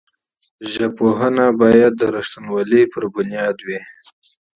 ژبپوهنه باید د واقعیتونو پر بنسټ وي.